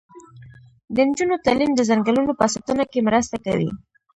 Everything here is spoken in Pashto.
د نجونو تعلیم د ځنګلونو په ساتنه کې مرسته کوي.